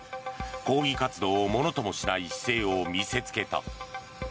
抗議活動をものともしない姿勢を見せつけた。